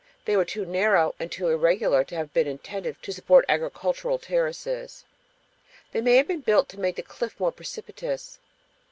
They were too narrow and too irregular to have been intended to support agricultural terraces. They may have been built to make the cliff more precipitous.